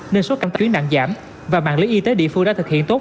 nên số căng tăng chuyến nặng giảm và mạng lưới y tế địa phương đã thực hiện tốt